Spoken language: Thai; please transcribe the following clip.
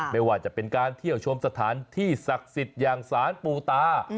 ไม่ว่าจะเป็นการเที่ยวชมสถานที่ศักดิ์สิทธิ์อย่างสารปูตา